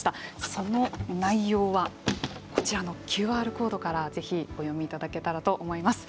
その内容はこちらのＱＲコードからぜひお読みいただけたらと思います。